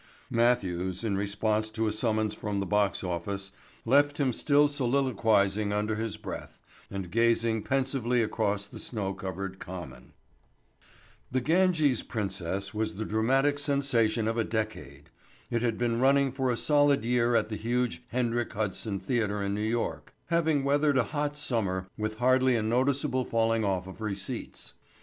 Matthews, in response to a summons from the box office, left him still soliloquizing under his breath and gazing pensively across the snow covered Common. "The Ganges Princess" was the dramatic sensation of a decade. It had been running for a solid year at the huge Hendrik Hudson Theatre in New York, having weathered a hot summer with hardly a noticeable falling off of receipts.